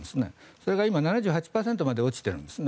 それが今、７８％まで落ちているんです。